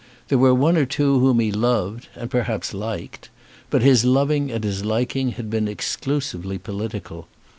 There were one or two whom he loved, and perhaps liked; but his loving and his liking had been exclusively political.